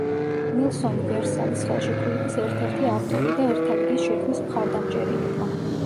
უილსონი ვერსალის ხელშეკრულების ერთ-ერთი ავტორი და ერთა ლიგის შექმნის მხარდამჭერი იყო.